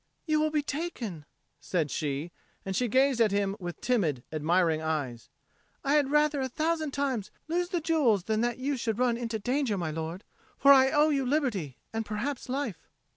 "You will be taken," said she, and she gazed at him with timid admiring eyes. "I had rather a thousand times lose the jewels than that you should run into danger, my lord. For I owe to you liberty, and perhaps life."